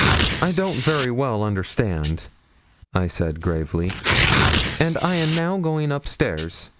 'I don't very well understand,' I said gravely; 'and I am now going upstairs.'